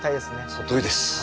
そのとおりです。